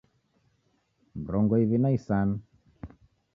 Mrongo iw'i na isanu